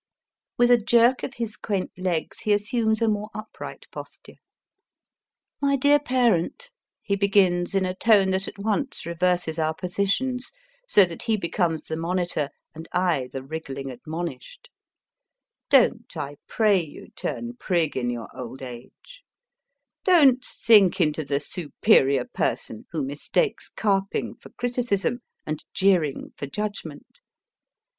With a jerk of his quaint legs he assumes a more upright posture. My dear Parent, he begins in a tone that at once reverses our positions, so that he becomes the monitor and I the wriggling admonished ; don t, I pray you, turn prig in your old age ; don t sink into the " superior person " who mistakes carping for criticism, and jeering for judgment.